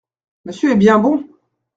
Monsieur est bien bon !